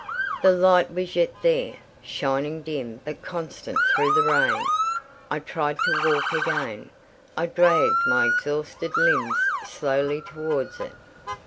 The light was yet there, shining dim but constant through the rain. I tried to walk again: I dragged my exhausted limbs slowly towards it.